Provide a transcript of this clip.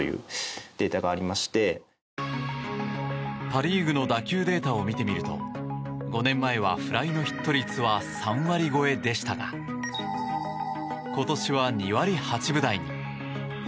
パ・リーグの打球データを見てみると５年前はフライのヒット率は３割超えでしたが今年は２割８分台に。